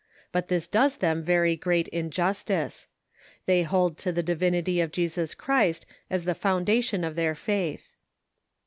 But this does them very great injustice. They hold to the divinity of Jesus Christ as the foundation of their faith.